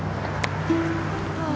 ああ。